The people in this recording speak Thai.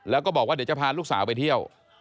แล้วก็บอกว่าเดี๋ยวจะพาลูกสาวไปเที่ยว